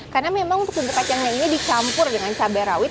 karena memang untuk bumbu kacangnya ini dicampur dengan cabai rawit